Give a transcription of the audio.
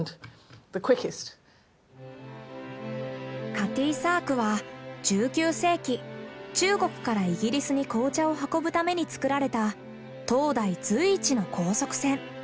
カティーサークは１９世紀中国からイギリスに紅茶を運ぶために造られた当代随一の高速船。